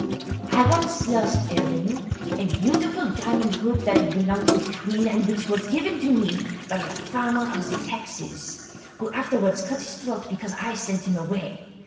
"I once lost a ring—a beautiful diamond hoop that had belonged to a queen, and which was given to me by a farmer of the taxes, who afterwards cut his throat because I sent him away.